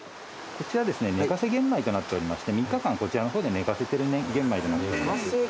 こちら寝かせ玄米となっておりまして３日間こちらの方で寝かせてる玄米となっています。